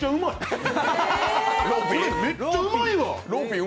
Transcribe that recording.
これ、めっちゃうまいわ！